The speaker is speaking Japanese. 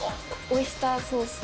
オイスターソース？